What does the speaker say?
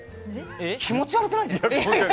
気持ち悪くないですか？